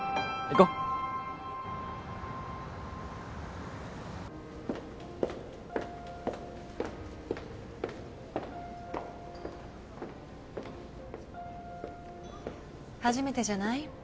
行こう初めてじゃない？